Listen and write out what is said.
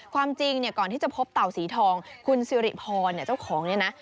ความจริงเนี่ยก่อนที่จะพบเต่าสีทองคุณสิริพรเนี่ยเจ้าของเนี่ยนะ